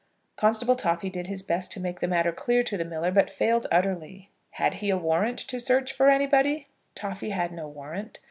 Constable Toffy did his best to make the matter clear to the miller, but failed utterly. Had he a warrant to search for anybody? Toffy had no warrant.